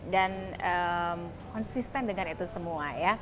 dan konsisten dengan itu semua